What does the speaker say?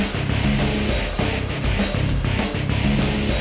tidak aku di sini waduh